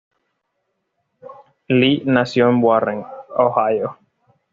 Lee nació en Warren, Ohio.